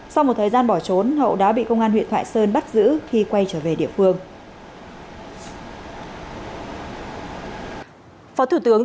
sau một thời gian bỏ trốn hậu đã bị công an huyện thoại sơn bắt giữ khi quay trở về địa phương